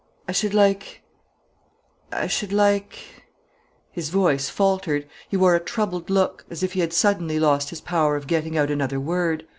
"I should like I should like " His voice faltered. He wore a troubled look, as if he had suddenly lost his power of getting out another word.